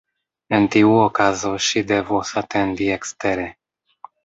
En tiu okazo ŝi devos atendi ekstere.